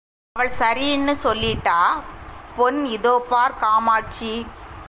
அவள் சரீன்னு சொல்லிட்டா...... பொன் இதோ பார் காமாட்சி!